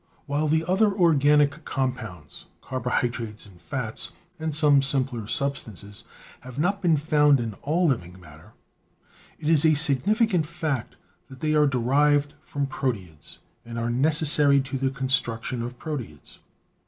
While the other organic compounds — carbohy drates, fats and some simpler substances — have not been found in all living matter, it is a significant fact that they are derived from proteids and are necessary to the con struction of proteids.